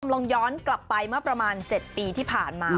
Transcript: ลองย้อนกลับไปเมื่อประมาณ๗ปีที่ผ่านมา